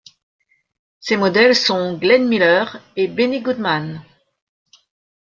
Ses modèles sont Glenn Miller et Benny Goodman.